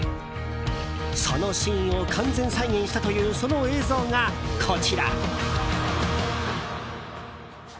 そのシーンを完全再現したというその映像が、こちら。